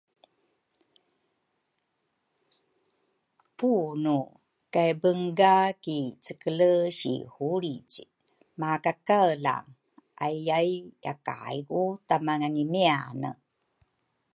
unu kay bunga ki cekele si hulrici makakaela, aiyae yakay ku tamangimiane.